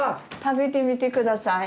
食べてみて下さい。